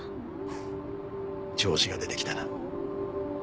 フッ調子が出てきたな。